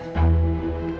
saya benar benar senang